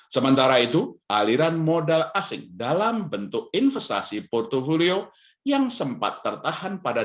sementara itu aliran modal asing dalam bentuk investasi portofolio yang sempat tertahan pada